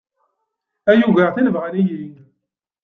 Ay ugiɣ-ten bɣan-iyi.